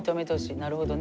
なるほどね。